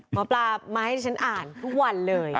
หมอปลามาให้ที่ฉันอ่านทุกวันเลย